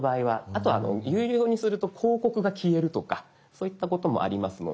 あとは有料にすると広告が消えるとかそういったこともありますので。